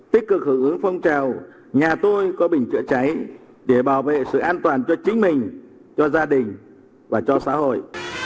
tích cực hướng ứng phong trào nhà tôi có bình chữa cháy để bảo vệ sự an toàn cho chính mình cho gia đình và cho xã hội